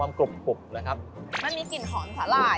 มันมีกลิ่นของสาหร่าย